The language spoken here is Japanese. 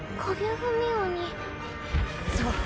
そう。